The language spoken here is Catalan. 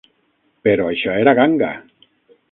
Però això era ganga!